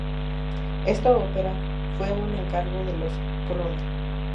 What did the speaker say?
Esta ópera fue un encargo de los Colonna.